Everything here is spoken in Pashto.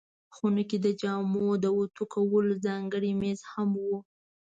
خونه کې د جامو د اوتو کولو ځانګړی مېز هم و.